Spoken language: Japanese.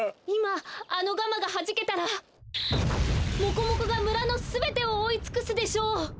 いまあのガマがはじけたらモコモコがむらのすべてをおおいつくすでしょう！